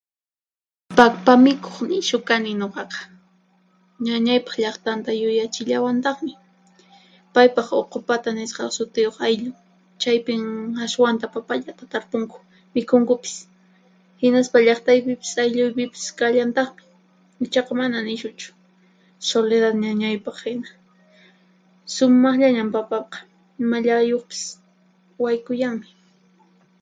Papa mikhuq nishu kani nuqaqa. Ñañaypaq llaqtanta yuyachillawantaqmi. Paypaq Uqupata nisqa sutiyuq ayllun, chaypin ashwanta papallata tarpunku, mikhunkupis. Hinaspa llaqtaypipis aylluypipis kallantaqmi, ichaqa mana nishuchu, Soledad ñañaypaq hina. Sumaqllañan papaqa, imallayuqpis waykullanmi.